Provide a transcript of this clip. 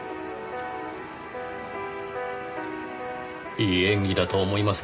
いい演技だと思いますがねぇ。